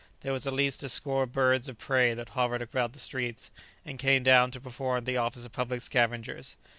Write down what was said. There was at least a score of birds of prey that hovered about the streets, and came down to perform the office of public scavengers.